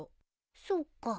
そっか。